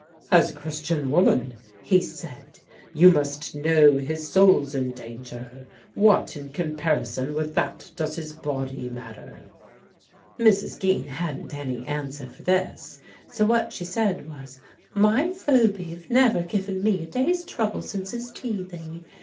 "As a Christian woman," he said, "you must know his soul's in danger. What in comparison with that does his body matter?" Mrs. Geen hadn't any answer for this, so what she said was, "My Phoby 've never given me a day's trouble since his teething."